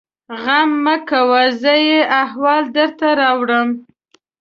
_غم مه کوه! زه يې احوال درته راوړم.